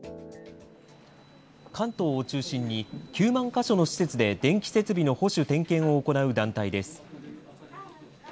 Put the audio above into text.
関東を中心に、９万か所の施設で電気設備の保守点検を行う団体です。